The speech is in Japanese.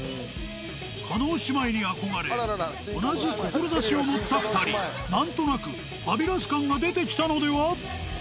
叶姉妹に憧れ同じ志を持った２人なんとなくファビュラス感が出てきたのでは？